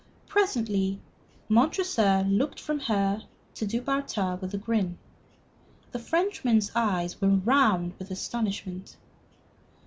Presently Montresor looked from her to Du Bartas with a grin. The Frenchman's eyes were round with astonishment.